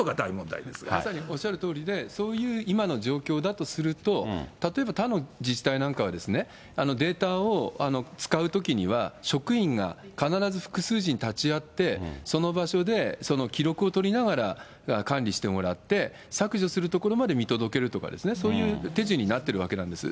まさにおっしゃるとおりで、そういう今の状況だとすると、例えば他の自治体なんかはデータを使うときには、職員が必ず複数人立ち会って、その場所で、その記録を取りながら管理してもらって、削除するところまで見届けるとか、そういう手順になってるわけなんです。